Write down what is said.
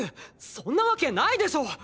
そんなわけないでしょう！！